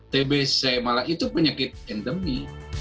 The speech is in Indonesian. tbc malah itu penyakit endemi